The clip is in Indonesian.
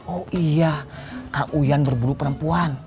oh iya kang uyan berbulu perempuan